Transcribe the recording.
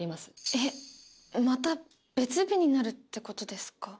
えっまた別日になるってことですか？